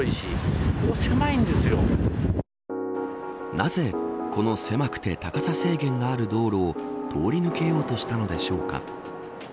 なぜ、この狭くて高さ制限がある道路を通り抜けようとしたのでしょうか。